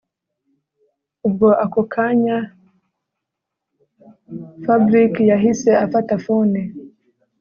Ubwo ako kanya FABRIC yahise afata phone